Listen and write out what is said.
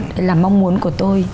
đó là mong muốn của tôi